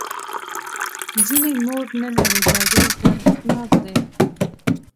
ځینې مور نه لري دا ډېر دردناک دی.